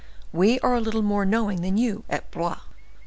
we are a little more knowing than you, at Blois."